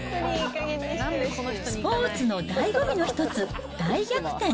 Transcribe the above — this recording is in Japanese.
スポーツのだいご味の一つ、大逆転。